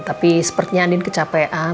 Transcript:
tapi sepertinya andin kecapean